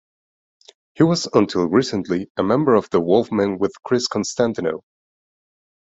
He was until recently a member of The Wolfmen with Chris Constantinou.